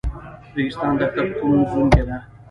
ریګستان دښته په کوم زون کې ده؟